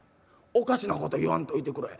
おかしなこと言わんといてくれ。